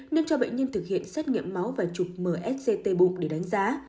nên cho bệnh nhân thực hiện xét nghiệm máu và chụp msct bụng để đánh giá